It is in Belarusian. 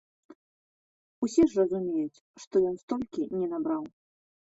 Усе ж разумеюць, што ён столькі не набраў.